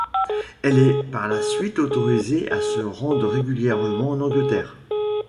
Elle est par la suite autorisée à se rendre régulièrement en Angleterre.